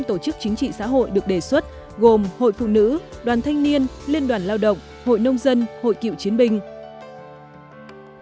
năm tổ chức chính trị xã hội được đề xuất gồm hội phụ nữ đoàn thanh niên liên đoàn lao động hội nông dân hội cựu chiến binh